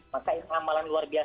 maka amalan luar biasa